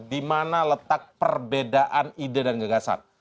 dimana letak perbedaan ide dan gagasan